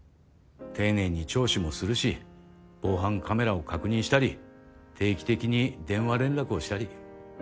丁寧に聴取もするし防犯カメラを確認したり定期的に電話連絡をしたり。